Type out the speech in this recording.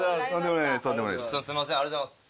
ありがとうございます。